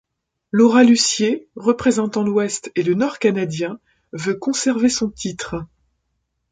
Laura Lussier, représentant l'Ouest et le Nord canadien, veut conserver son titre.